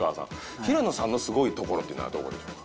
平野さんのスゴいところっていうのはどこでしょうか？